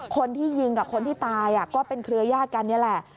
คนที่ยิงกับคนที่ตายก็เป็นเครือญาติกันนี่แหละ